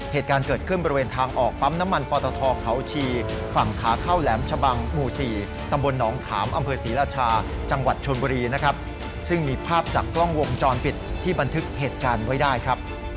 เหตุการณ์เกิดขึ้นบริเวณทางออกปั๊มน้ำมันปอตทเขาชีฝั่งขาเข้าแหลมชะบังหมู่๔ตำบลหนองขามอำเภอศรีราชาจังหวัดชนบุรีนะครับซึ่งมีภาพจากกล้องวงจรปิดที่บันทึกเหตุการณ์ไว้ได้ครับ